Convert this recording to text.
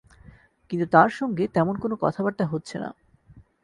কিন্তু তার সঙ্গে তেমন কোনো কথাবার্তা হচ্ছে না।